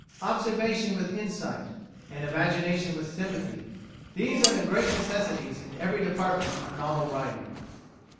Observation with insight, and Imagination with sympathy; these are the great necessities in every department of novel writing.